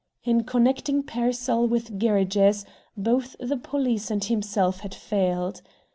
In connecting Pearsall with Gerridge's, both the police and himself had failed.